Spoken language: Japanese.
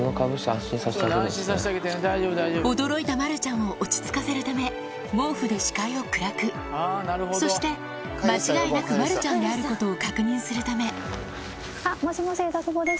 驚いたまるちゃんを落ち着かせるため毛布で視界を暗くそして間違いなくまるちゃんであることを確認するためもしもし枝久保です。